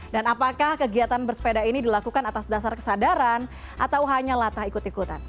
dan apakah kegiatan bersepeda ini dilakukan atas dasar kesadaran atau hanya latah ikut ikutan